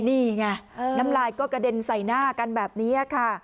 นี่ไงน้ำลายก็กระเด็นใส่หน้ากันแบบนี้ค่ะ